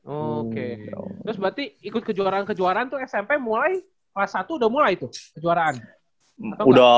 oke terus berarti ikut kejuaraan kejuaraan tuh smp mulai kelas satu udah mulai tuh kejuaraan atau enggak